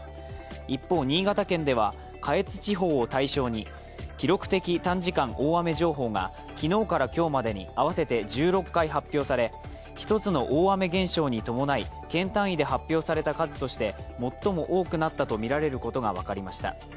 一方、新潟県では下越地方を対象に記録的短時間大雨情報が昨日から今日までに合わせて１６回発表され１つの大雨現象に伴い県単位で発表された数として最も多くなったとみられることが分かりました。